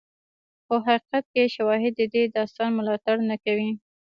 خو حقیقت کې شواهد د دې داستان ملاتړ نه کوي.